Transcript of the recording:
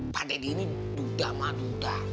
pa deddy ini duda ma duda